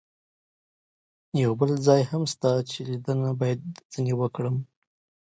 یو بل ځای هم شته چې لیدنه باید ځنې وکړم.